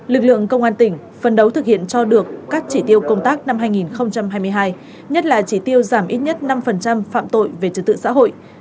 lực lượng công an tỉnh phân đấu thực hiện cho được các chỉ tiêu công tác năm hai nghìn hai mươi hai nhất là chỉ tiêu giảm ít nhất năm phạm tội về trật tự xã hội